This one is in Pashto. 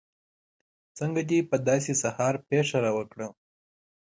څنګه دې په داسې سهار پېښه راوکړه.